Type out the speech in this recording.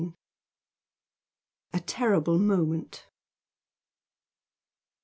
A TERRIBLE MOMENT.